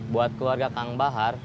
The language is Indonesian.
buat keluarga kang bahar